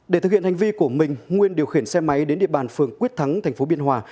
để thực hiện hành vi của mình nguyên điều khiển xe máy đến địa bàn phường quyết thắng tp biên hòa